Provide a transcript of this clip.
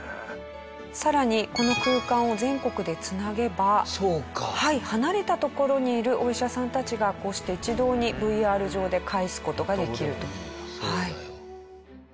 さらにこの空間を全国で繋げば離れた所にいるお医者さんたちがこうして一堂にＶＲ上で会す事ができるとはい。